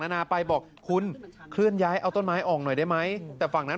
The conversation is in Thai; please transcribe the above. นานาไปบอกคุณเคลื่อนย้ายเอาต้นไม้ออกหน่อยได้ไหมแต่ฝั่งนั้น